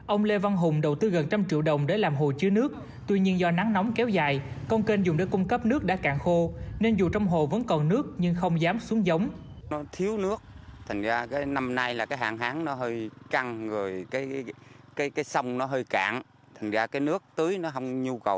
ông lê văn hùng đầu tư gần trăm triệu đồng để làm hồ chứa nước tuy nhiên do nắng nóng kéo dài con kênh dùng để cung cấp nước đã cạn khô nên dù trong hồ vẫn còn nước nhưng không dám xuống giống